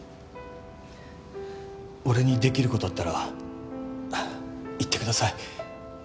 俺にできる事あったら言ってください。